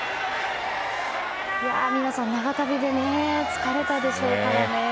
皆さん、長旅で疲れたでしょうからね。